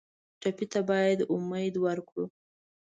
ټپي ته باید امید ورکړو.